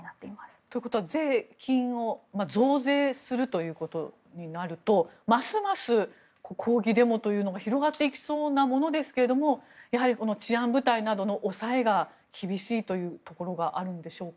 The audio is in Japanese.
ということは税金を増税するということになるとますます抗議デモというのが広がっていきそうなものですが治安部隊などの抑えが厳しいというところがあるのでしょうか。